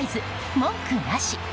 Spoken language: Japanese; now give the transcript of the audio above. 文句なし！